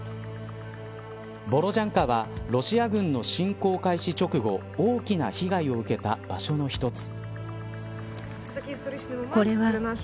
ボロジャンカはロシア軍の侵攻開始直後大きな被害を受けた場所の一つ。